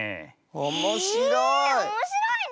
おもしろい！